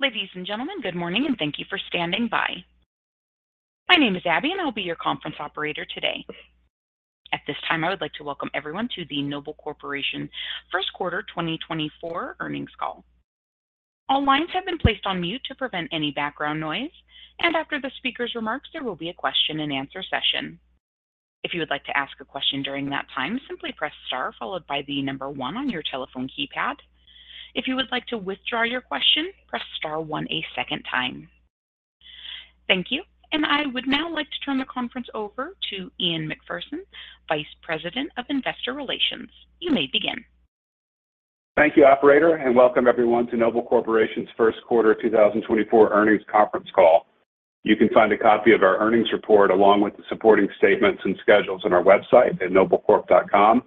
Ladies and gentlemen, good morning, and thank you for standing by. My name is Abby, and I'll be your conference operator today. At this time, I would like to welcome everyone to the Noble Corporation First Quarter 2024 Earnings Call. All lines have been placed on mute to prevent any background noise, and after the speaker's remarks, there will be a question-and-answer session. If you would like to ask a question during that time, simply press star followed by the number one on your telephone keypad. If you would like to withdraw your question, press star one a second time. Thank you, and I would now like to turn the conference over to Ian Macpherson, Vice President of Investor Relations. You may begin. Thank you, operator, and welcome everyone to Noble Corporation's first quarter 2024 earnings conference call. You can find a copy of our earnings report along with the supporting statements and schedules on our website at noblecorp.com.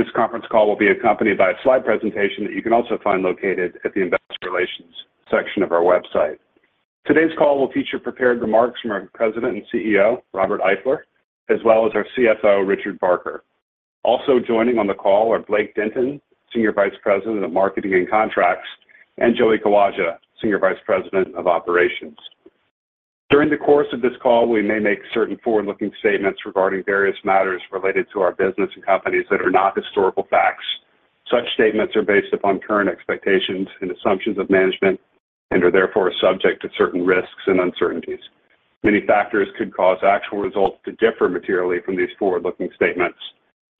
This conference call will be accompanied by a slide presentation that you can also find located at the investor relations section of our website. Today's call will feature prepared remarks from our President and CEO, Robert Eifler, as well as our CFO, Richard Barker. Also joining on the call are Blake Denton, Senior Vice President of Marketing and Contracts, and Joey Kawaja, Senior Vice President of Operations. During the course of this call, we may make certain forward-looking statements regarding various matters related to our business and companies that are not historical facts. Such statements are based upon current expectations and assumptions of management and are therefore subject to certain risks and uncertainties. Many factors could cause actual results to differ materially from these forward-looking statements,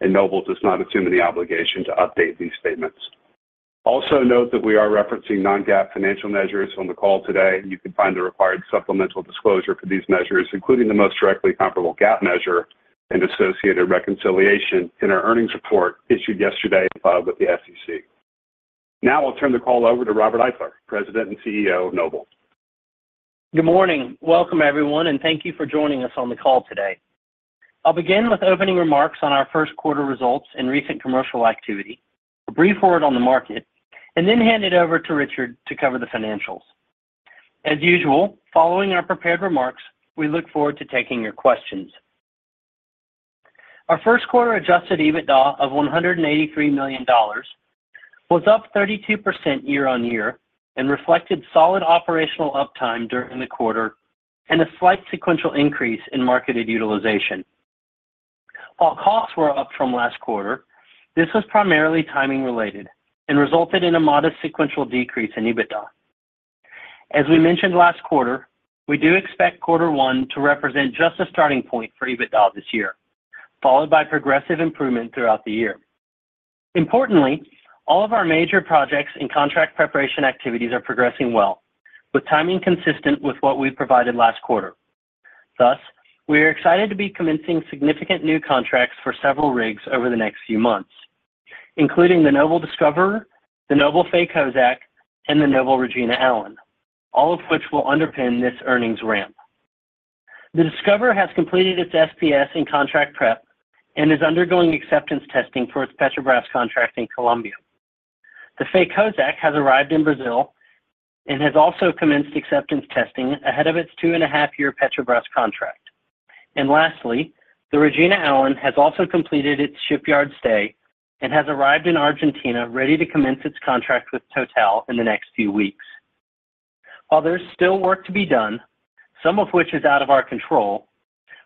and Noble does not assume any obligation to update these statements. Also, note that we are referencing non-GAAP financial measures on the call today. You can find the required supplemental disclosure for these measures, including the most directly comparable GAAP measure and associated reconciliation in our earnings report issued yesterday and filed with the SEC. Now I'll turn the call over to Robert Eifler, President and CEO of Noble. Good morning. Welcome, everyone, and thank you for joining us on the call today. I'll begin with opening remarks on our first quarter results and recent commercial activity, a brief word on the market, and then hand it over to Richard to cover the financials. As usual, following our prepared remarks, we look forward to taking your questions. Our first quarter adjusted EBITDA of $183 million was up 32% year-on-year and reflected solid operational uptime during the quarter and a slight sequential increase in marketed utilization. While costs were up from last quarter, this was primarily timing-related and resulted in a modest sequential decrease in EBITDA. As we mentioned last quarter, we do expect quarter one to represent just a starting point for EBITDA this year, followed by progressive improvement throughout the year. Importantly, all of our major projects and contract preparation activities are progressing well, with timing consistent with what we provided last quarter. Thus, we are excited to be commencing significant new contracts for several rigs over the next few months, including the Noble Discoverer, the Noble Faye Kozack, and the Noble Regina Allen, all of which will underpin this earnings ramp. The Discoverer has completed its SPS and contract prep and is undergoing acceptance testing for its Petrobras contract in Colombia. The Faye Kozack has arrived in Brazil and has also commenced acceptance testing ahead of its 2.5-year Petrobras contract. And lastly, the Regina Allen has also completed its shipyard stay and has arrived in Argentina, ready to commence its contract with Total in the next few weeks. While there's still work to be done, some of which is out of our control,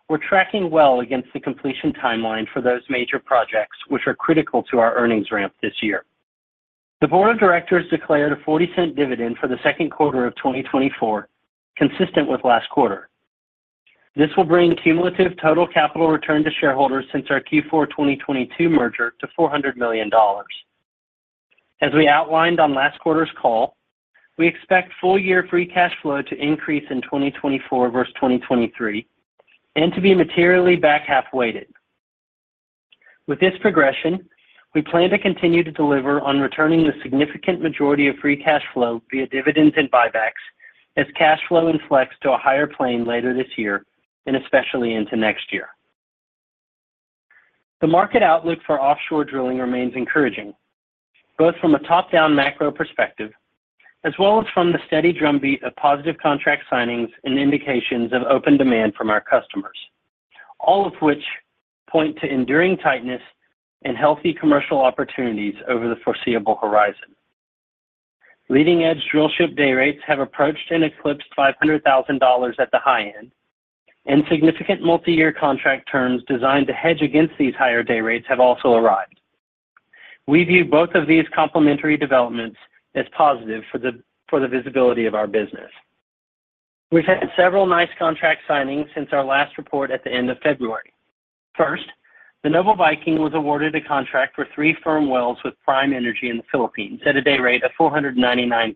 we're tracking well against the completion timeline for those major projects, which are critical to our earnings ramp this year. The board of directors declared a $0.40 dividend for the second quarter of 2024, consistent with last quarter. This will bring cumulative total capital return to shareholders since our Q4 2022 merger to $400 million. As we outlined on last quarter's call, we expect full-year free cash flow to increase in 2024 versus 2023 and to be materially back-half weighted. With this progression, we plan to continue to deliver on returning the significant majority of free cash flow via dividends and buybacks as cash flow inflects to a higher plane later this year and especially into next year. The market outlook for offshore drilling remains encouraging, both from a top-down macro perspective, as well as from the steady drumbeat of positive contract signings and indications of open demand from our customers, all of which point to enduring tightness and healthy commercial opportunities over the foreseeable horizon. Leading-edge drillship day rates have approached and eclipsed $500,000 at the high end, and significant multi-year contract terms designed to hedge against these higher day rates have also arrived. We view both of these complementary developments as positive for the, for the visibility of our business. We've had several nice contract signings since our last report at the end of February. First, the Noble Viking was awarded a contract for three firm wells with Prime Energy in the Philippines at a day rate of $499,000,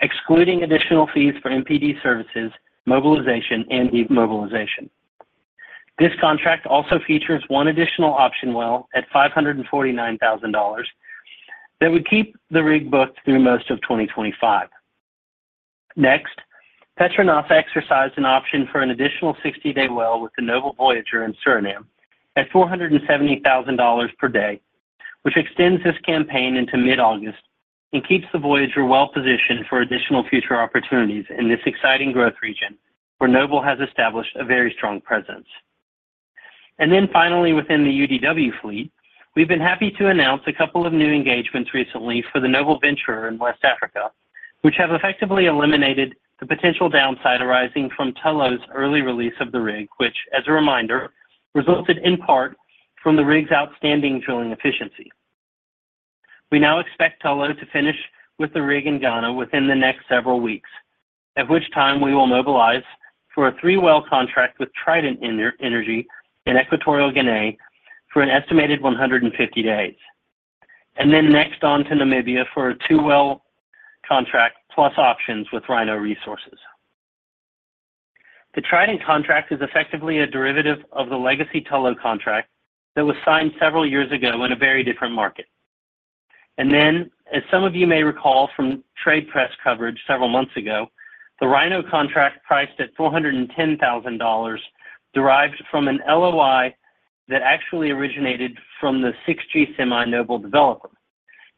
excluding additional fees for MPD services, mobilization, and demobilization. This contract also features one additional option well at $549,000 that would keep the rig booked through most of 2025. Next, PETRONAS exercised an option for an additional 60-day well with the Noble Voyager in Suriname at $470,000 per day, which extends this campaign into mid-August and keeps the Voyager well-positioned for additional future opportunities in this exciting growth region, where Noble has established a very strong presence.... And then finally, within the UDW fleet, we've been happy to announce a couple of new engagements recently for the Noble Venturer in West Africa, which have effectively eliminated the potential downside arising from Tullow's early release of the rig, which, as a reminder, resulted in part from the rig's outstanding drilling efficiency. We now expect Tullow to finish with the rig in Ghana within the next several weeks, at which time we will mobilize for a 3-well contract with Trident Energy in Equatorial Guinea for an estimated 150 days, and then next on to Namibia for a 2-well contract, plus options with Rhino Resources. The Trident contract is effectively a derivative of the legacy Tullow contract that was signed several years ago in a very different market. And then, as some of you may recall from trade press coverage several months ago, the Rhino contract, priced at $410,000, derives from an LOI that actually originated from the 6G semi Noble Developer,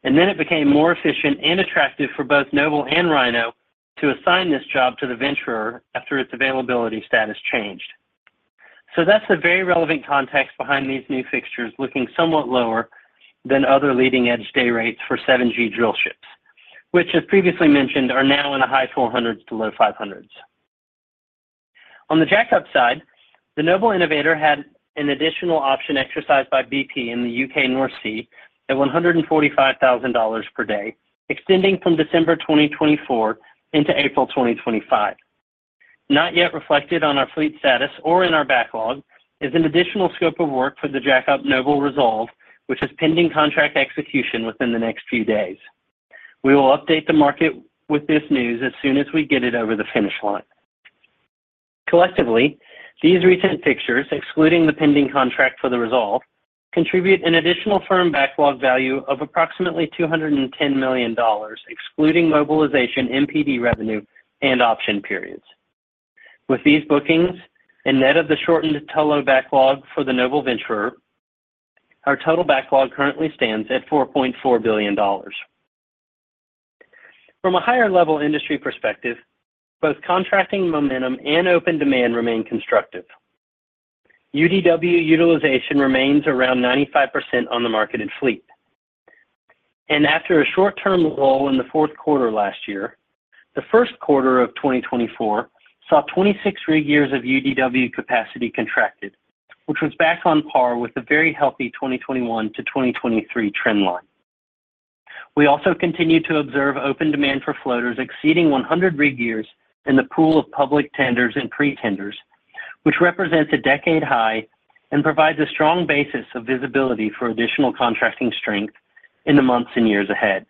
and then it became more efficient and attractive for both Noble and Rhino to assign this job to the Noble Venturer after its availability status changed. So that's the very relevant context behind these new fixtures, looking somewhat lower than other leading-edge day rates for 7G drillships, which, as previously mentioned, are now in the high $400s to low $500s. On the jackup side, the Noble Innovator had an additional option exercised by BP in the UK North Sea at $145,000 per day, extending from December 2024 into April 2025. Not yet reflected on our fleet status or in our backlog is an additional scope of work for the jackup Noble Resolve, which is pending contract execution within the next few days. We will update the market with this news as soon as we get it over the finish line. Collectively, these recent fixtures, excluding the pending contract for the Resolve, contribute an additional firm backlog value of approximately $210 million, excluding mobilization, MPD revenue, and option periods. With these bookings and net of the shortened Tullow backlog for the Noble Venturer, our total backlog currently stands at $4.4 billion. From a higher-level industry perspective, both contracting momentum and open demand remain constructive. UDW utilization remains around 95% on the marketed fleet. And after a short-term lull in the fourth quarter last year, the first quarter of 2024 saw 26 rig years of UDW capacity contracted, which was back on par with the very healthy 2021 to 2023 trend line. We also continue to observe open demand for floaters exceeding 100 rig years in the pool of public tenders and pre-tenders, which represents a decade high and provides a strong basis of visibility for additional contracting strength in the months and years ahead.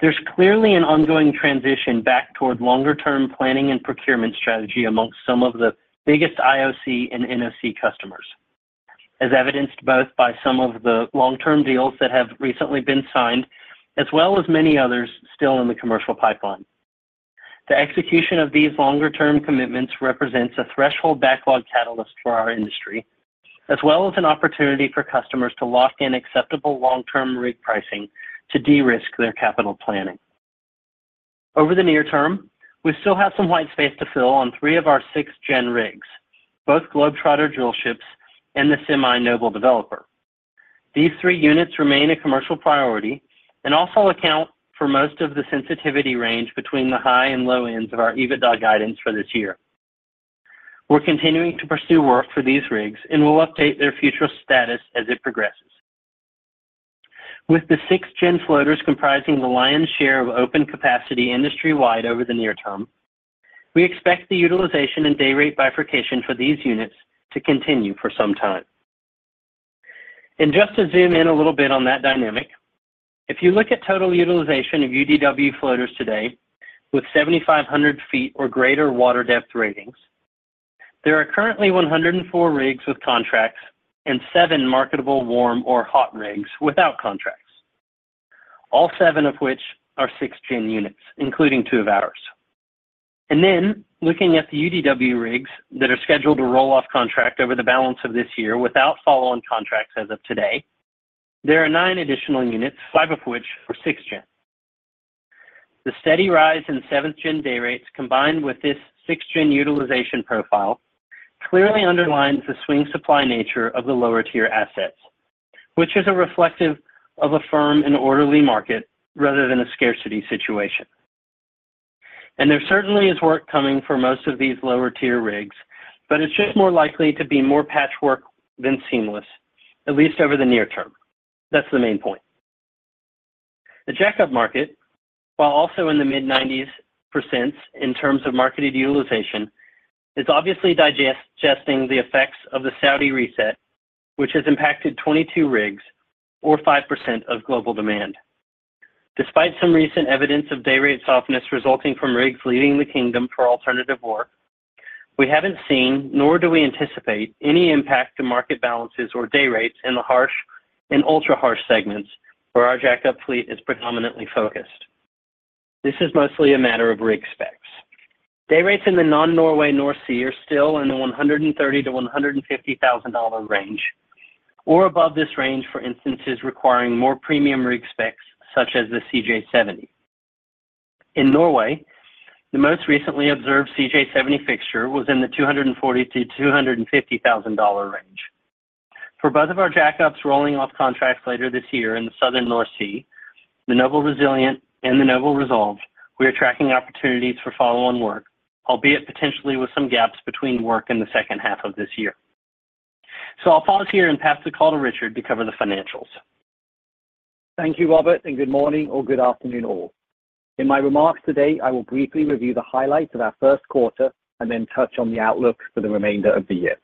There's clearly an ongoing transition back toward longer-term planning and procurement strategy amongst some of the biggest IOC and NOC customers, as evidenced both by some of the long-term deals that have recently been signed, as well as many others still in the commercial pipeline. The execution of these longer-term commitments represents a threshold backlog catalyst for our industry, as well as an opportunity for customers to lock in acceptable long-term rig pricing to de-risk their capital planning. Over the near term, we still have some white space to fill on three of our 6th gen rigs, both Globetrotter drill ships and the semi-Noble Developer. These three units remain a commercial priority and also account for most of the sensitivity range between the high and low ends of our EBITDA guidance for this year. We're continuing to pursue work for these rigs and will update their future status as it progresses. With the 6th gen floaters comprising the lion's share of open capacity industry-wide over the near term, we expect the utilization and dayrate bifurcation for these units to continue for some time. Just to zoom in a little bit on that dynamic, if you look at total utilization of UDW floaters today with 7,500 ft or greater water depth ratings, there are currently 104 rigs with contracts and 7 marketable, warm, or hot rigs without contracts, all seven of which are 6th gen units, including two of ours. Then, looking at the UDW rigs that are scheduled to roll off contract over the balance of this year without follow-on contracts as of today, there are nine additional units, five of which are 6th gen. The steady rise in 7th gen day rates, combined with this 6th gen utilization profile, clearly underlines the swing supply nature of the lower-tier assets, which is a reflective of a firm and orderly market rather than a scarcity situation. There certainly is work coming for most of these lower-tier rigs, but it's just more likely to be more patchwork than seamless, at least over the near term. That's the main point. The jackup market, while also in the mid-90s% in terms of marketed utilization, is obviously digesting the effects of the Saudi reset, which has impacted 22 rigs or 5% of global demand. Despite some recent evidence of dayrate softness resulting from rigs leaving the Kingdom for alternative work, we haven't seen, nor do we anticipate, any impact to market balances or day rates in the harsh and ultra-harsh segments where our jackup fleet is predominantly focused. This is mostly a matter of rig specs. Day rates in the non-Norway North Sea are still in the $130,000-$150,000 range, or above this range, for instances requiring more premium rig specs, such as the CJ70.... In Norway, the most recently observed CJ70 fixture was in the $240,000-$250,000 range. For both of our jackups rolling off contracts later this year in the Southern North Sea, the Noble Resilient and the Noble Resolve, we are tracking opportunities for follow-on work, albeit potentially with some gaps between work in the second half of this year. So I'll pause here and pass the call to Richard to cover the financials. Thank you, Robert, and good morning or good afternoon all. In my remarks today, I will briefly review the highlights of our first quarter and then touch on the outlook for the remainder of the year.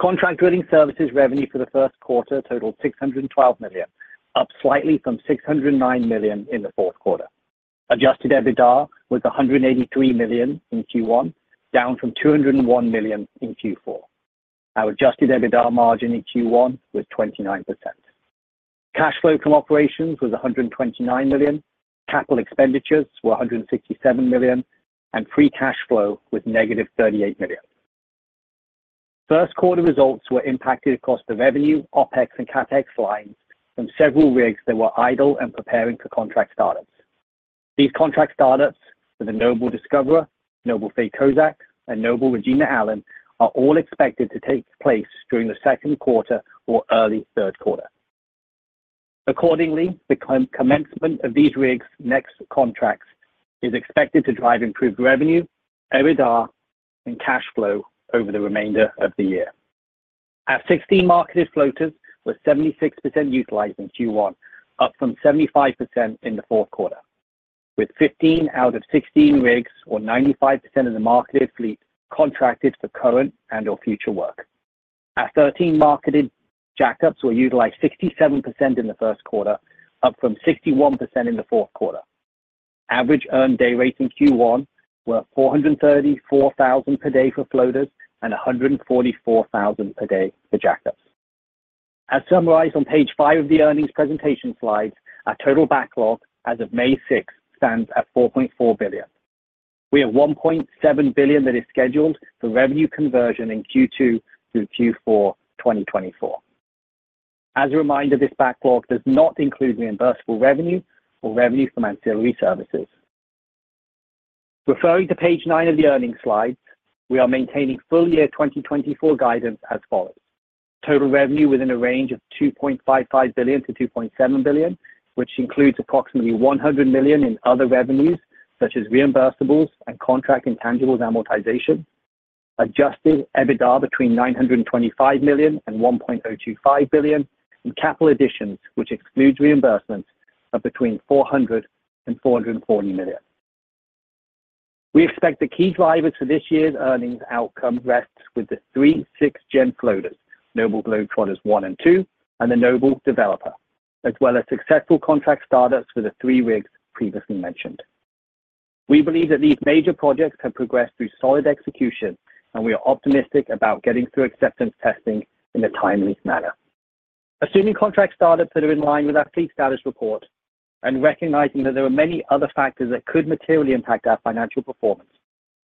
Contract drilling services revenue for the first quarter totaled $612 million, up slightly from $609 million in the fourth quarter. Adjusted EBITDA was $183 million in Q1, down from $201 million in Q4. Our adjusted EBITDA margin in Q1 was 29%. Cash flow from operations was $129 million, capital expenditures were $167 million, and free cash flow was negative $38 million. First quarter results were impacted across the revenue, OpEx, and CapEx lines from several rigs that were idle and preparing for contract startups. These contract startups for the Noble Discoverer, Noble Faye Kozack, and Noble Regina Allen, are all expected to take place during the second quarter or early third quarter. Accordingly, the commencement of these rigs' next contracts is expected to drive improved revenue, EBITDA, and cash flow over the remainder of the year. Our 16 marketed floaters were 76% utilized in Q1, up from 75% in the fourth quarter, with 15 out of 16 rigs, or 95% of the marketed fleet, contracted for current and/or future work. Our 13 marketed jackups were utilized 67% in the first quarter, up from 61% in the fourth quarter. Average earned day rates in Q1 were $434,000 per day for floaters and $144,000 per day for jackups. As summarized on page five of the earnings presentation slides, our total backlog as of May 6 stands at $4.4 billion. We have $1.7 billion that is scheduled for revenue conversion in Q2 through Q4 2024. As a reminder, this backlog does not include reimbursable revenue or revenue from ancillary services. Referring to page nine of the earnings slides, we are maintaining full year 2024 guidance as follows: Total revenue within a range of $2.55 billion-$2.7 billion, which includes approximately $100 million in other revenues, such as reimbursables and contract intangibles amortization, adjusted EBITDA between $925 million and $1.025 billion, and capital additions, which excludes reimbursements of between $400 million-$440 million. We expect the key drivers for this year's earnings outcome rests with the three 6th gen floaters, Noble Globetrotter I and II, and the Noble Developer, as well as successful contract startups for the three rigs previously mentioned. We believe that these major projects have progressed through solid execution, and we are optimistic about getting through acceptance testing in a timely manner. Assuming contract startups that are in line with our fleet status report and recognizing that there are many other factors that could materially impact our financial performance,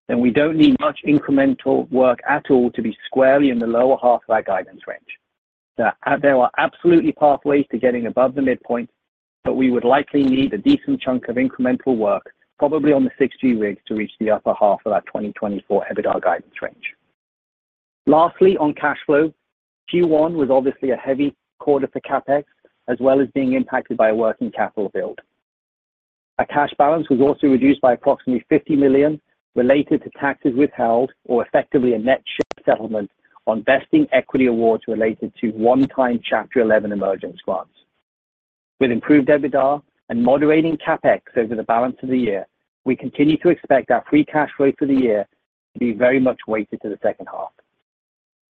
then we don't need much incremental work at all to be squarely in the lower half of our guidance range. Now, there are absolutely pathways to getting above the midpoint, but we would likely need a decent chunk of incremental work, probably on the 6G rigs, to reach the upper half of our 2024 EBITDA guidance range. Lastly, on cash flow, Q1 was obviously a heavy quarter for CapEx, as well as being impacted by a working capital build. Our cash balance was also reduced by approximately $50 million related to taxes withheld or effectively a net share settlement on vesting equity awards related to one-time Chapter 11 emergence grants. With improved EBITDA and moderating CapEx over the balance of the year, we continue to expect our free cash flow for the year to be very much weighted to the second half.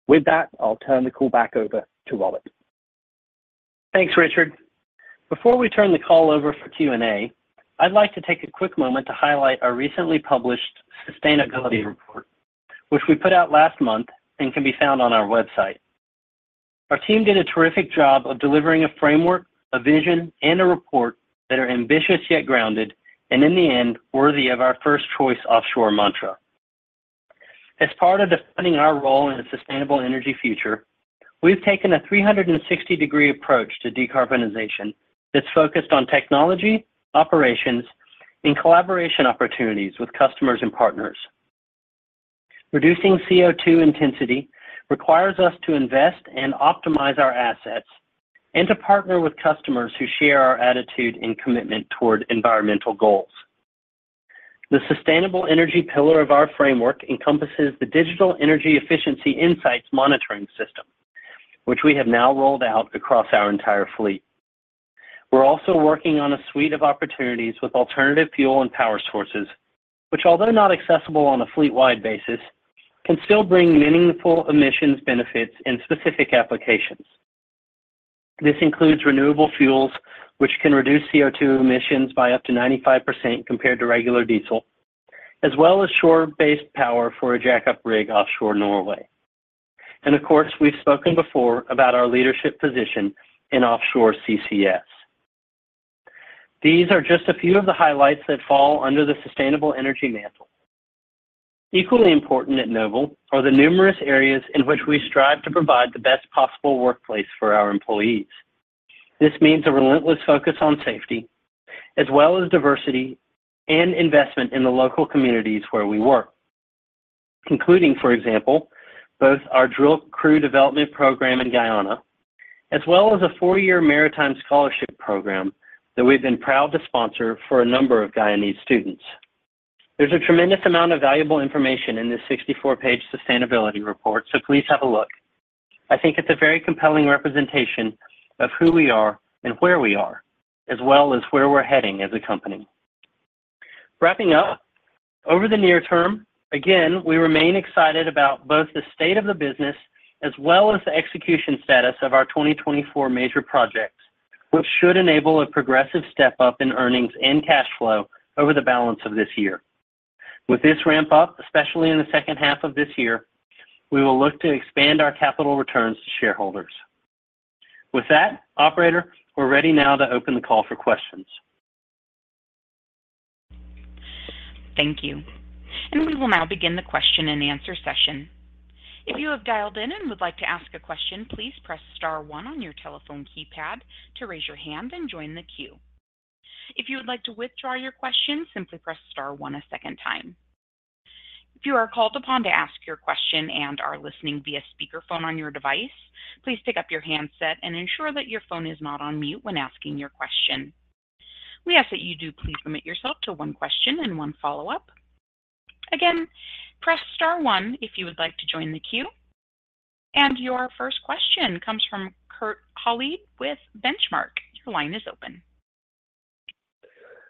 With that, I'll turn the call back over to Robert. Thanks, Richard. Before we turn the call over for Q&A, I'd like to take a quick moment to highlight our recently published sustainability report, which we put out last month and can be found on our website. Our team did a terrific job of delivering a framework, a vision, and a report that are ambitious yet grounded, and in the end, worthy of our first-choice offshore mantra. As part of defining our role in a sustainable energy future, we've taken a 360-degree approach to decarbonization that's focused on technology, operations, and collaboration opportunities with customers and partners. Reducing CO2 intensity requires us to invest and optimize our assets and to partner with customers who share our attitude and commitment toward environmental goals. The sustainable energy pillar of our framework encompasses the Digital Energy Efficiency Insights monitoring system, which we have now rolled out across our entire fleet. We're also working on a suite of opportunities with alternative fuel and power sources, which, although not accessible on a fleet-wide basis, can still bring meaningful emissions benefits in specific applications. This includes renewable fuels, which can reduce CO2 emissions by up to 95% compared to regular diesel, as well as shore-based power for a jackup rig offshore Norway. And of course, we've spoken before about our leadership position in offshore CCS. These are just a few of the highlights that fall under the sustainable energy mantle. ...Equally important at Noble are the numerous areas in which we strive to provide the best possible workplace for our employees. This means a relentless focus on safety, as well as diversity and investment in the local communities where we work. Concluding, for example, both our drill crew development program in Guyana, as well as a 4-year maritime scholarship program that we've been proud to sponsor for a number of Guyanese students. There's a tremendous amount of valuable information in this 64-page sustainability report, so please have a look. I think it's a very compelling representation of who we are and where we are, as well as where we're heading as a company. Wrapping up, over the near term, again, we remain excited about both the state of the business as well as the execution status of our 2024 major projects, which should enable a progressive step-up in earnings and cash flow over the balance of this year. With this ramp up, especially in the second half of this year, we will look to expand our capital returns to shareholders. With that, operator, we're ready now to open the call for questions. Thank you. We will now begin the question-and-answer session. If you have dialed in and would like to ask a question, please press star one on your telephone keypad to raise your hand and join the queue. If you would like to withdraw your question, simply press star one a second time. If you are called upon to ask your question and are listening via speakerphone on your device, please pick up your handset and ensure that your phone is not on mute when asking your question. We ask that you do please limit yourself to one question and one follow-up. Again, press star one if you would like to join the queue. Your first question comes from Kurt Hallead with Benchmark. Your line is open.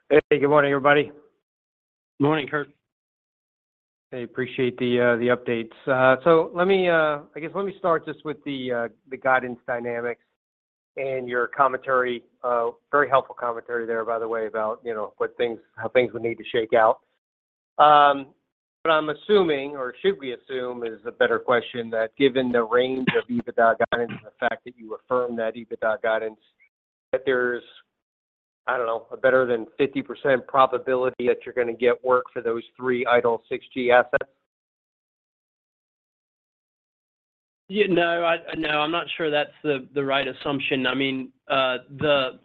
Hey, good morning, everybody. Good morning, Kurt. I appreciate the updates. So let me, I guess let me start just with the guidance dynamics and your commentary. Very helpful commentary there, by the way, about, you know, what things, how things would need to shake out. But I'm assuming, or should we assume, is a better question, that given the range of EBITDA guidance and the fact that you affirm that EBITDA guidance, that there's, I don't know, a better than 50% probability that you're gonna get work for those three idle 6G assets? Yeah, no, I'm not sure that's the right assumption. I mean, I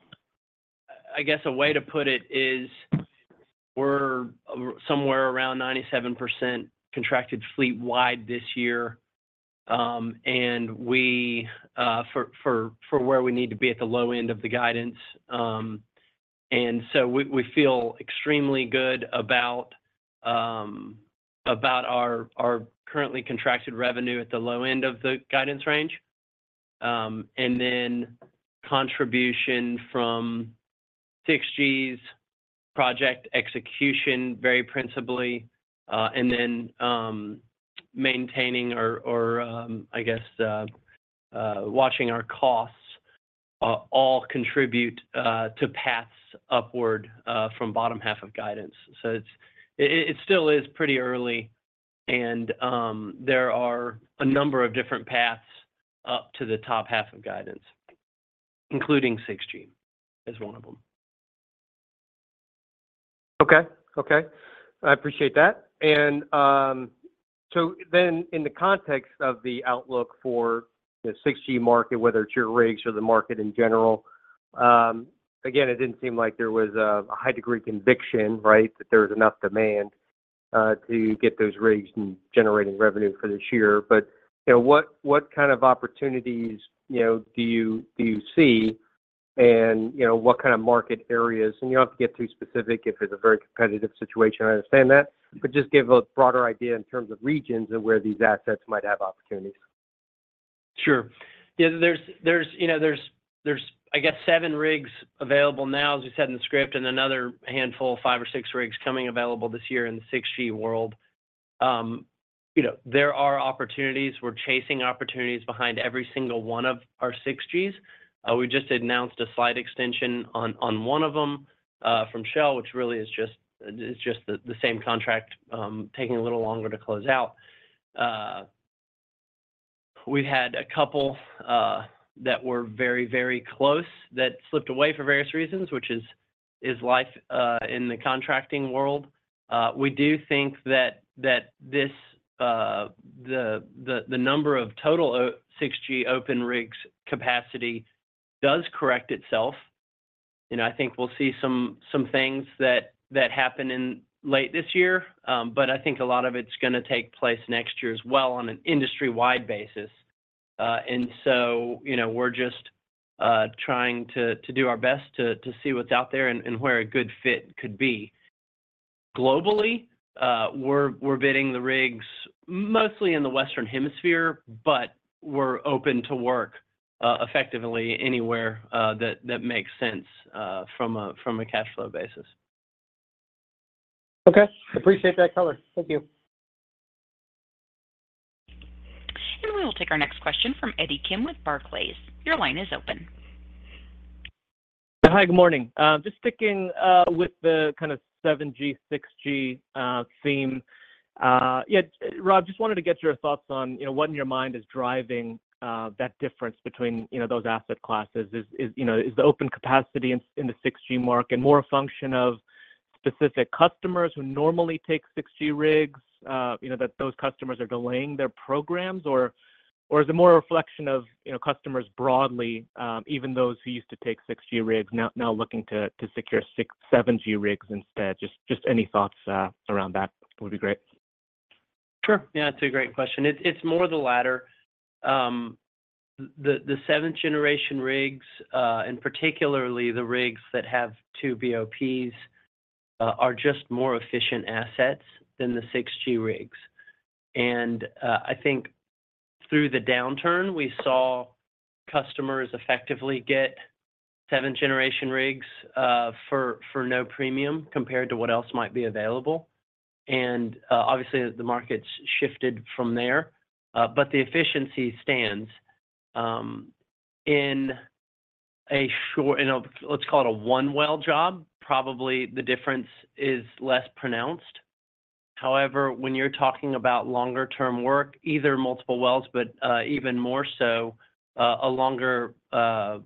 guess a way to put it is we're somewhere around 97% contracted fleet-wide this year. And we, for where we need to be at the low end of the guidance. And so we feel extremely good about our currently contracted revenue at the low end of the guidance range. And then contribution from 6G's project execution, very principally, and then maintaining or I guess watching our costs all contribute to paths upward from bottom half of guidance. So it's still pretty early, and there are a number of different paths up to the top half of guidance, including 6G as one of them. Okay. Okay, I appreciate that. And, so then in the context of the outlook for the 6G market, whether it's your rigs or the market in general, again, it didn't seem like there was a high degree of conviction, right? That there was enough demand to get those rigs and generating revenue for this year. But, you know, what kind of opportunities, you know, do you see? And, you know, what kind of market areas, and you don't have to get too specific if it's a very competitive situation, I understand that. But just give a broader idea in terms of regions of where these assets might have opportunities. Sure. Yeah, there's, there's you know, there's I guess 7 rigs available now, as we said in the script, and another handful, 5 or 6 rigs, coming available this year in the 6G world. You know, there are opportunities. We're chasing opportunities behind every single one of our 6Gs. We just announced a slight extension on one of them from Shell, which really is just the same contract taking a little longer to close out. We've had a couple that were very, very close that slipped away for various reasons, which is life in the contracting world. We do think that this the number of total 6G open rigs capacity does correct itself. You know, I think we'll see some things that happen in late this year. But I think a lot of it's gonna take place next year as well on an industry-wide basis. And so, you know, we're just trying to do our best to see what's out there and where a good fit could be. Globally, we're bidding the rigs mostly in the Western Hemisphere, but we're open to work effectively anywhere that makes sense from a cash flow basis. Okay. Appreciate that color. Thank you. We will take our next question from Eddie Kim with Barclays. Your line is open. Hi, good morning. Just sticking with the kind of 7G, 6G theme. Yeah, Rob, just wanted to get your thoughts on, you know, what in your mind is driving that difference between, you know, those asset classes? Is the open capacity in the 6G market more a function of specific customers who normally take 6G rigs, you know, that those customers are delaying their programs? Or is it more a reflection of, you know, customers broadly, even those who used to take 6G rigs now looking to secure 7G rigs instead? Just any thoughts around that would be great. Sure. Yeah, it's a great question. It's, it's more the latter. The seventh generation rigs, and particularly the rigs that have two BOPs, are just more efficient assets than the 6G rigs. And, I think through the downturn, we saw customers effectively get seventh generation rigs, for no premium compared to what else might be available. And, obviously, the market's shifted from there, but the efficiency stands. In a short, let's call it a one-well job, probably the difference is less pronounced. However, when you're talking about longer-term work, either multiple wells, but, even more so, a longer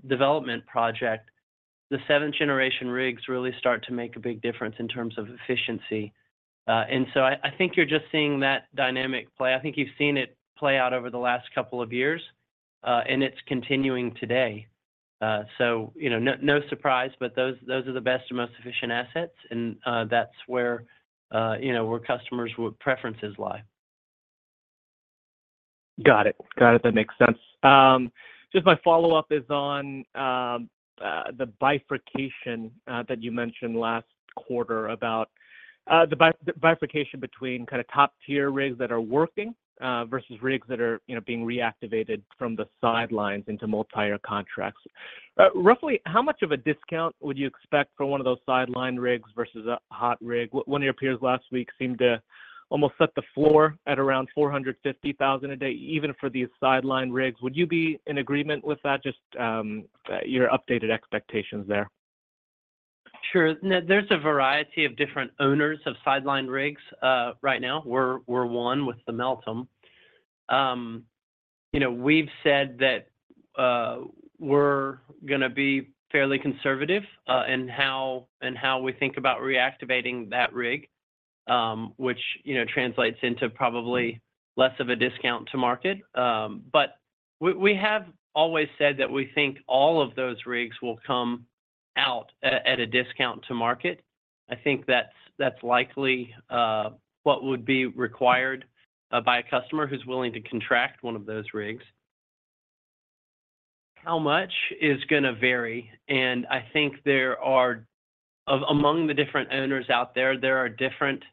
development project, the seventh generation rigs really start to make a big difference in terms of efficiency. And so I think you're just seeing that dynamic play. I think you've seen it play out over the last couple of years, and it's continuing today. So, you know, no, no surprise, but those, those are the best and most efficient assets, and, that's where, you know, where customers' preferences lie. Got it. Got it. That makes sense. Just my follow-up is on the bifurcation that you mentioned last quarter about the bifurcation between kind of top-tier rigs that are working versus rigs that are, you know, being reactivated from the sidelines into multi-year contracts. Roughly, how much of a discount would you expect for one of those sideline rigs versus a hot rig? One of your peers last week seemed to almost set the floor at around $450,000 a day, even for these sideline rigs. Would you be in agreement with that? Just your updated expectations there. Sure. Now, there's a variety of different owners of sidelined rigs. Right now, we're, we're one with the Meltem. You know, we've said that, we're gonna be fairly conservative, in how, in how we think about reactivating that rig, which, you know, translates into probably less of a discount to market. But we, we have always said that we think all of those rigs will come out at, at a discount to market. I think that's, that's likely, what would be required, by a customer who's willing to contract one of those rigs. How much is gonna vary, and I think there are... among the different owners out there, there are different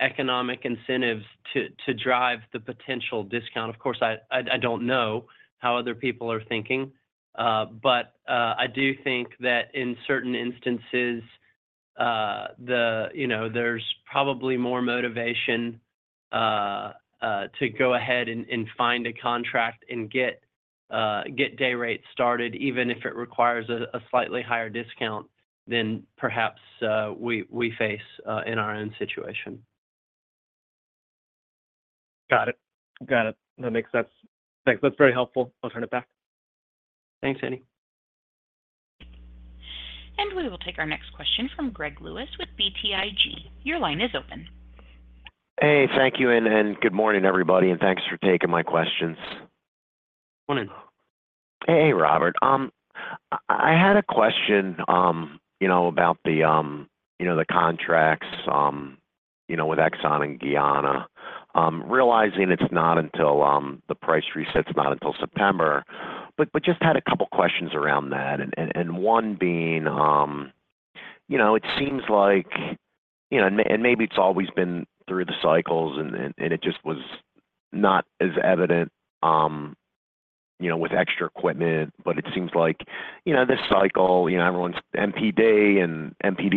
economic incentives to, to drive the potential discount. Of course, I don't know how other people are thinking, but I do think that in certain instances, you know, there's probably more motivation to go ahead and find a contract and get day rates started, even if it requires a slightly higher discount than perhaps we face in our own situation. Got it. Got it. That makes sense. Thanks. That's very helpful. I'll turn it back. Thanks, Andy. We will take our next question from Greg Lewis with BTIG. Your line is open. Hey, thank you, and good morning, everybody, and thanks for taking my questions. Morning. Hey, Robert. I had a question, you know, about the, you know, the contracts, you know, with Exxon and Guyana. Realizing it's not until, the price reset's not until September, but just had a couple questions around that. And one being, you know, it seems like, you know, and maybe it's always been through the cycles and it just was not as evident, you know, with extra equipment, but it seems like, you know, this cycle, you know, everyone's MPD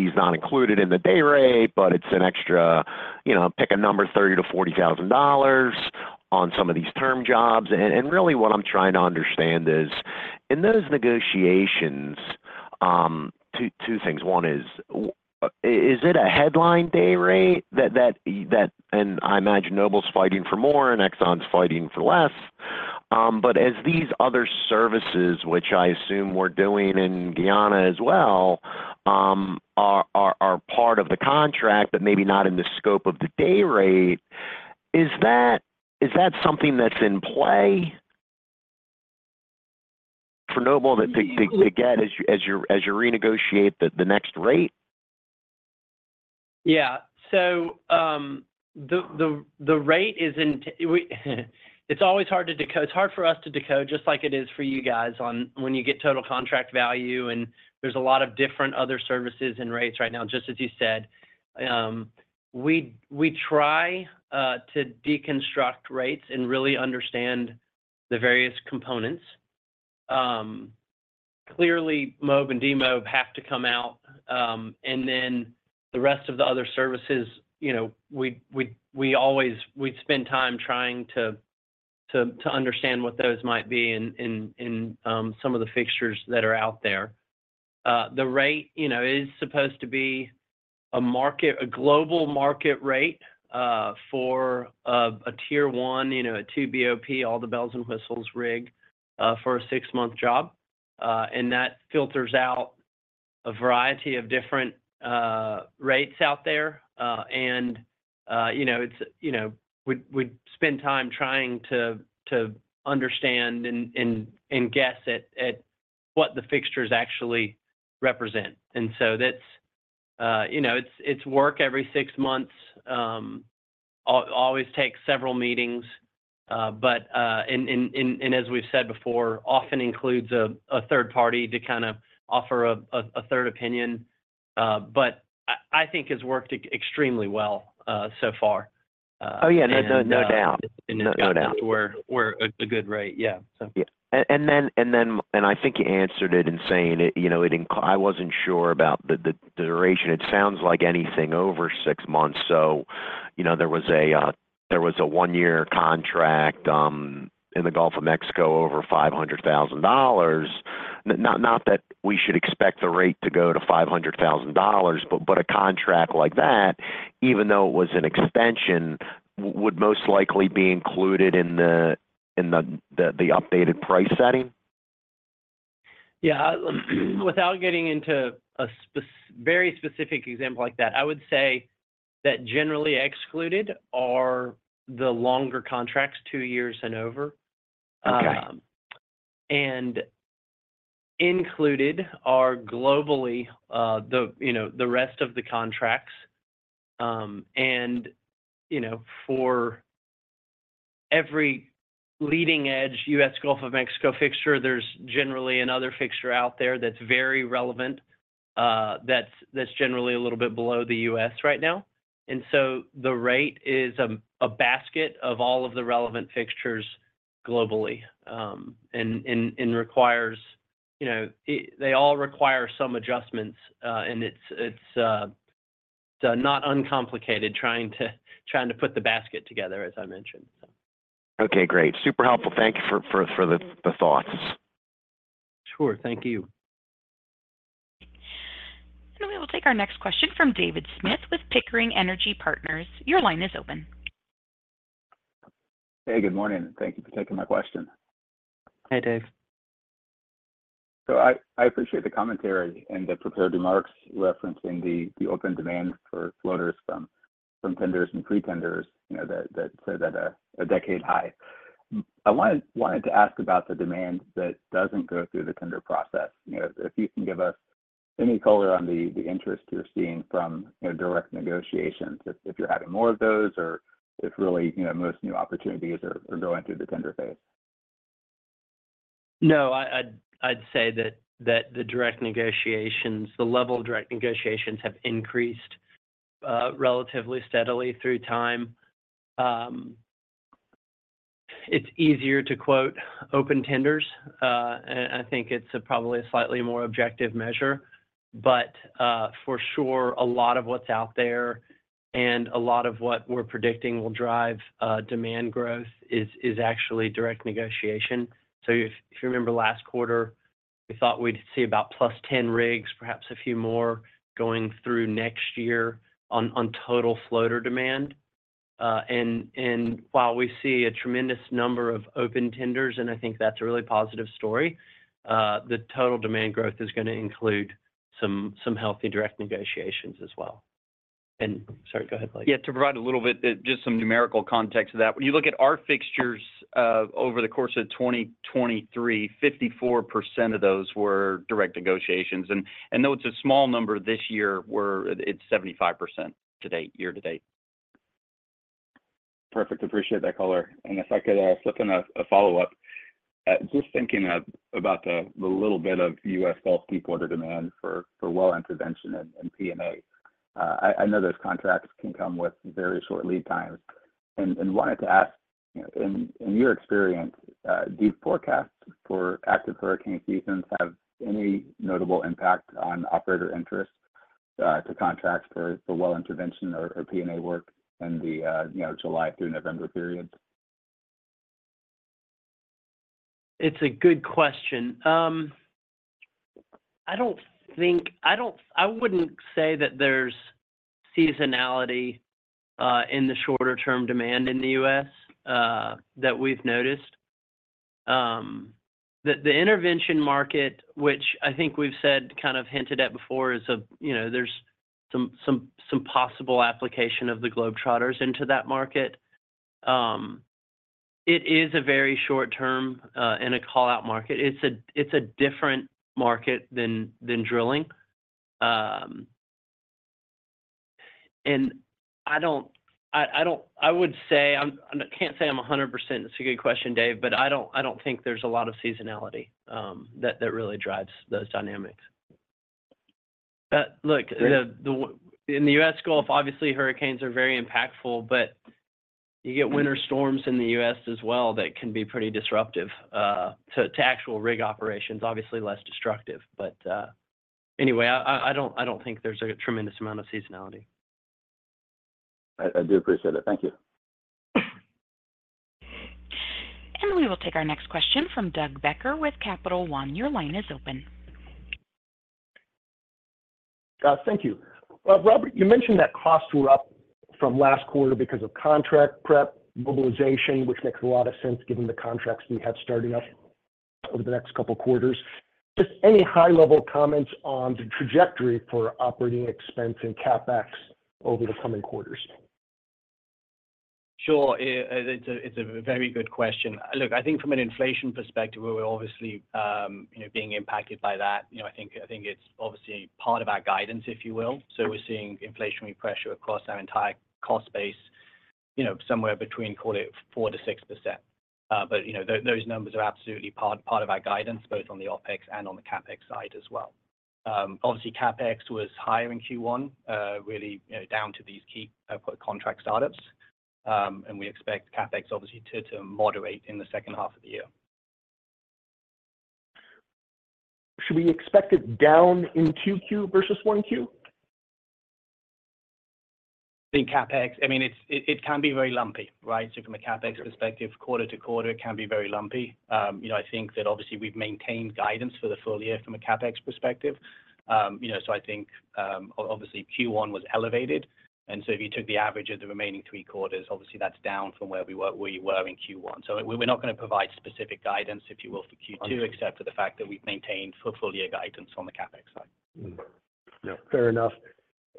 is not included in the day rate, but it's an extra, you know, pick a number, $30,000-$40,000 on some of these term jobs. And really what I'm trying to understand is, in those negotiations, two things. One is, is it a headline day rate that, and I imagine Noble's fighting for more and Exxon's fighting for less. But as these other services, which I assume we're doing in Guyana as well, are part of the contract, but maybe not in the scope of the day rate, is that something that's in play for Noble to get as you renegotiate the next rate? Yeah. So, the rate isn't. It's always hard to decode. It's hard for us to decode, just like it is for you guys on when you get total contract value, and there's a lot of different other services and rates right now, just as you said. We try to deconstruct rates and really understand the various components. Clearly, mob and demob have to come out, and then the rest of the other services, you know, we always spend time trying to understand what those might be in some of the fixtures that are out there. The rate, you know, is supposed to be a global market rate for a tier one, you know, a two BOP, all the bells and whistles rig for a six-month job. And that filters out a variety of different rates out there. You know, it's, you know, we spend time trying to understand and guess at what the fixtures actually represent. And so that's, you know, it's work every six months, always takes several meetings, but, as we've said before, often includes a third party to kind of offer a third opinion. But I think it's worked extremely well so far. Oh, yeah, no, no doubt. And it's- No doubt. where we're at a good rate. Yeah, so. Yeah. And then, and I think you answered it in saying it, you know, it in... I wasn't sure about the duration. It sounds like anything over six months. So, you know, there was a one-year contract in the Gulf of Mexico over $500,000. Not that we should expect the rate to go to $500,000, but a contract like that, even though it was an extension, would most likely be included in the updated price setting? Yeah. Without getting into a very specific example like that, I would say that generally excluded are the longer contracts, two years and over. Okay. And included are globally, the, you know, the rest of the contracts. And, you know, for every leading edge, U.S. Gulf of Mexico fixture, there's generally another fixture out there that's very relevant, that's, that's generally a little bit below the U.S. right now. And so the rate is, a basket of all of the relevant fixtures globally, and, and, and requires, you know... they all require some adjustments. And it's, it's, not uncomplicated trying to, trying to put the basket together, as I mentioned, so. Okay, great. Super helpful. Thank you for the thoughts. Sure. Thank you. We will take our next question from David Smith with Pickering Energy Partners. Your line is open. Hey, good morning. Thank you for taking my question. Hey, Dave. So I appreciate the commentary and the prepared remarks referencing the open demand for floaters from tenders and pretenders, you know, that said that are a decade high. I wanted to ask about the demand that doesn't go through the tender process. You know, if you can give us any color on the interest you're seeing from, you know, direct negotiations, if you're having more of those, or if really, you know, most new opportunities are going through the tender phase. No, I'd say that the direct negotiations, the level of direct negotiations have increased relatively steadily through time. It's easier to quote open tenders. And I think it's probably a slightly more objective measure, but for sure, a lot of what's out there and a lot of what we're predicting will drive demand growth is actually direct negotiation. So if you remember last quarter, we thought we'd see about +10 rigs, perhaps a few more going through next year on total floater demand. And while we see a tremendous number of open tenders, and I think that's a really positive story, the total demand growth is gonna include some healthy direct negotiations as well. And... Sorry, go ahead, Blake. Yeah, to provide a little bit, just some numerical context to that. When you look at our fixtures, over the course of 2023, 54% of those were direct negotiations, and though it's a small number this year, it's 75% to date, year to date. Perfect. Appreciate that color. And if I could slip in a follow-up. Just thinking about the little bit of U.S. Gulf deepwater demand for well intervention and P&A, I know those contracts can come with very short lead times. And wanted to ask, in your experience, do you forecast for active hurricane seasons have any notable impact on operator interest to contract for well intervention or P&A work in the, you know, July through November period? It's a good question. I don't think... I don't- I wouldn't say that there's seasonality in the shorter term demand in the U.S. that we've noticed. The intervention market, which I think we've said, kind of hinted at before, is, you know, there's some possible application of the Globetrotters into that market. It is a very short term and a call-out market. It's a different market than drilling. And I don't... I would say I'm, I can't say I'm 100%. It's a good question, Dave, but I don't think there's a lot of seasonality that really drives those dynamics. Look, in the U.S. Gulf, obviously hurricanes are very impactful, but you get winter storms in the U.S. as well that can be pretty disruptive to actual rig operations. Obviously, less destructive. But, anyway, I don't think there's a tremendous amount of seasonality. I do appreciate it. Thank you. We will take our next question from Doug Becker with Capital One. Your line is open.... Thank you. Robert, you mentioned that costs were up from last quarter because of contract prep, mobilization, which makes a lot of sense given the contracts we have starting up over the next couple quarters. Just any high-level comments on the trajectory for operating expense and CapEx over the coming quarters? Sure. It's a very good question. Look, I think from an inflation perspective, we're obviously, you know, being impacted by that. You know, I think, I think it's obviously part of our guidance, if you will. So we're seeing inflationary pressure across our entire cost base, you know, somewhere between, call it 4%-6%. But, you know, those numbers are absolutely part of our guidance, both on the OpEx and on the CapEx side as well. Obviously, CapEx was higher in Q1, really, you know, down to these key contract startups. And we expect CapEx obviously to moderate in the second half of the year. Should we expect it down in Q2 versus 1Q? In CapEx, I mean, it's—it can be very lumpy, right? So from a CapEx perspective, quarter to quarter can be very lumpy. You know, I think that obviously we've maintained guidance for the full year from a CapEx perspective. You know, so I think obviously Q1 was elevated, and so if you took the average of the remaining three quarters, obviously that's down from where we were in Q1. So we're not gonna provide specific guidance, if you will, for Q2, except for the fact that we've maintained full-year guidance on the CapEx side. Mm-hmm. Yeah, fair enough.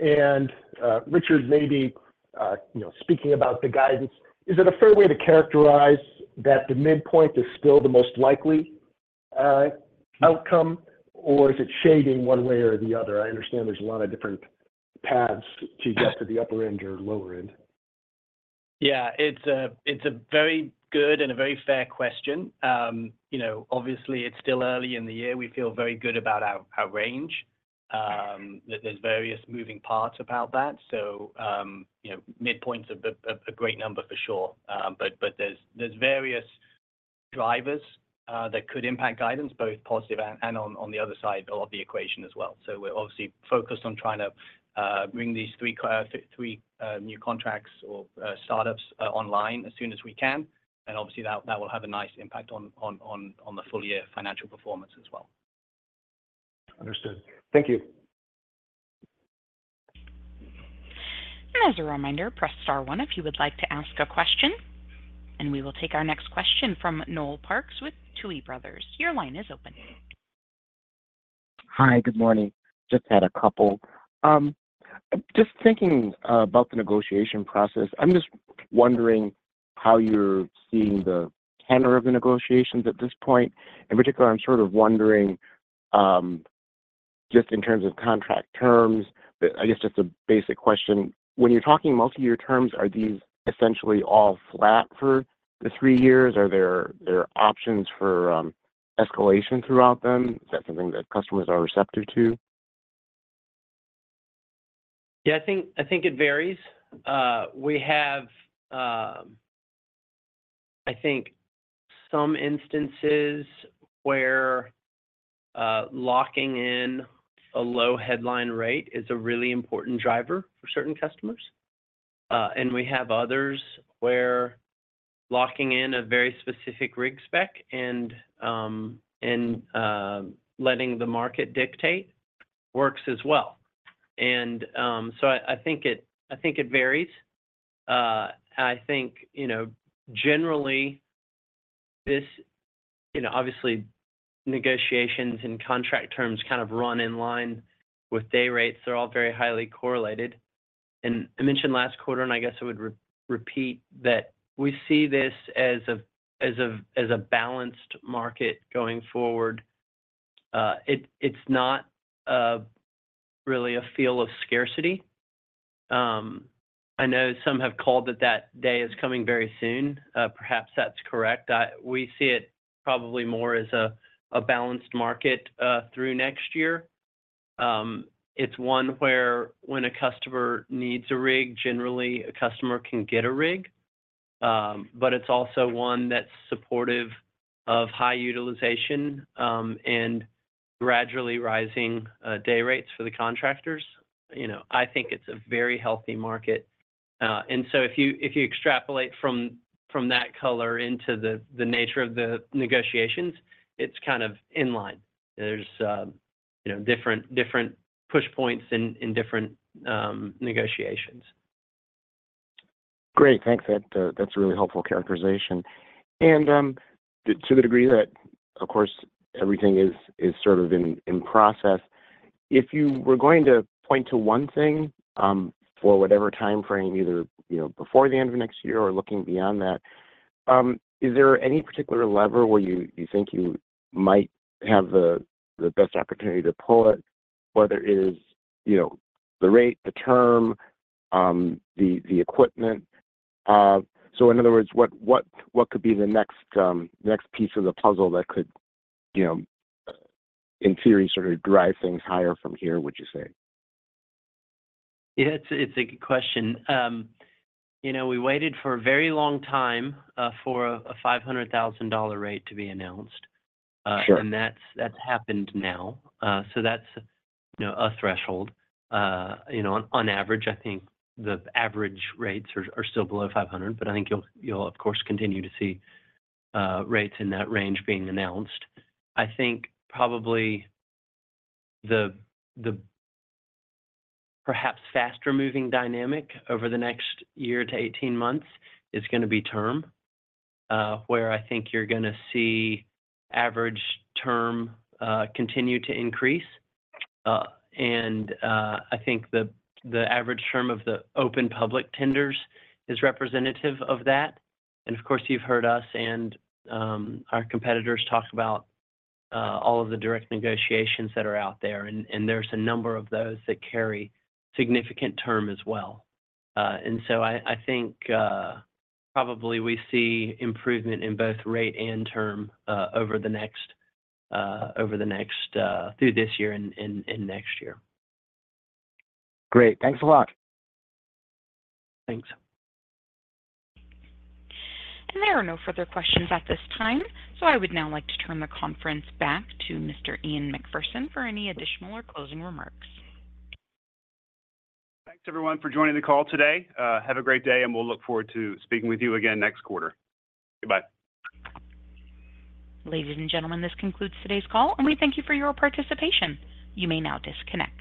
And, Richard, maybe, you know, speaking about the guidance, is it a fair way to characterize that the midpoint is still the most likely outcome, or is it shading one way or the other? I understand there's a lot of different paths to get to the upper end or lower end. Yeah, it's a very good and a very fair question. You know, obviously, it's still early in the year. We feel very good about our range. There's various moving parts about that, so, you know, midpoint's a great number for sure. But there's various drivers that could impact guidance, both positive and on the other side of the equation as well. So we're obviously focused on trying to bring these three new contracts or startups online as soon as we can, and obviously, that will have a nice impact on the full-year financial performance as well. Understood. Thank you. As a reminder, press star one if you would like to ask a question, and we will take our next question from Noel Parks with Tuohy Brothers. Your line is open. Hi, good morning. Just had a couple. Just thinking about the negotiation process, I'm just wondering how you're seeing the tenor of the negotiations at this point. In particular, I'm sort of wondering just in terms of contract terms, I guess just a basic question, when you're talking multi-year terms, are these essentially all flat for the three years, or are there options for escalation throughout them? Is that something that customers are receptive to? Yeah, I think it varies. We have some instances where locking in a low headline rate is a really important driver for certain customers. And we have others where locking in a very specific rig spec and letting the market dictate works as well. And so I think it varies. I think, you know, generally this... You know, obviously, negotiations and contract terms kind of run in line with day rates. They're all very highly correlated. And I mentioned last quarter, and I guess I would re-repeat, that we see this as a balanced market going forward. It’s not really a feel of scarcity. I know some have called that that day is coming very soon. Perhaps that's correct. We see it probably more as a balanced market through next year. It's one where when a customer needs a rig, generally a customer can get a rig. But it's also one that's supportive of high utilization and gradually rising day rates for the contractors. You know, I think it's a very healthy market. And so if you extrapolate from that color into the nature of the negotiations, it's kind of in line. There's you know, different push points in different negotiations. Great, thanks. That, that's a really helpful characterization. And, to the degree that, of course, everything is sort of in process, if you were going to point to one thing, for whatever timeframe, either, you know, before the end of next year or looking beyond that, is there any particular lever where you think you might have the best opportunity to pull it, whether it is, you know, the rate, the term, the equipment? So in other words, what could be the next next piece of the puzzle that could, you know, in theory, sort of drive things higher from here, would you say? Yeah, it's a good question. You know, we waited for a very long time for a $500,000 rate to be announced- Sure.... and that's, that's happened now. So that's, you know, a threshold. You know, on, on average, I think the average rates are, are still below $500, but I think you'll, you'll of course, continue to see, rates in that range being announced. I think probably the, the perhaps faster moving dynamic over the next year to 18 months is gonna be term, where I think you're gonna see average term, continue to increase. And, and, I think the, the average term of the open public tenders is representative of that. And, of course, you've heard us and, our competitors talk about, all of the direct negotiations that are out there, and, and there's a number of those that carry significant term as well. And so I think probably we see improvement in both rate and term over the next through this year and next year. Great. Thanks a lot. Thanks. There are no further questions at this time, so I would now like to turn the conference back to Mr. Ian Macpherson for any additional or closing remarks. Thanks, everyone, for joining the call today. Have a great day, and we'll look forward to speaking with you again next quarter. Goodbye. Ladies and gentlemen, this concludes today's call, and we thank you for your participation. You may now disconnect.